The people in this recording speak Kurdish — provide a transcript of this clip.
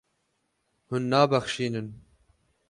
Hûn nabexşînin.